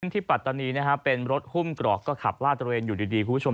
ที่ปัตตานีนะฮะเป็นรถหุ้มเกราะก็ขับล่าตัวเองอยู่ดีคุณผู้ชม